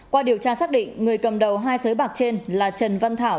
qua điều tra xác định người cầm đầu hai sới bạc trên là trần văn thảo